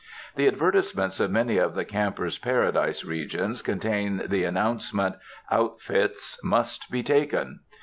The advertisements of many of the "camper's paradise" regions contain the announcement "Out fits must be taken."